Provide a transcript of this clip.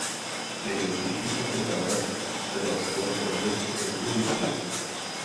Během příštích několika let vedla spor o vliv mezi věřícími.